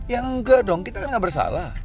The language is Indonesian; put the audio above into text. ya enggak dong kita kan nggak bersalah